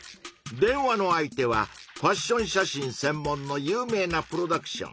電話の相手はファッション写真せんもんの有名なプロダクション。